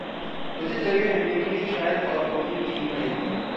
मुझे जगे रहने के लिए शायद और कॉफ़ी पीनी पड़ेगी।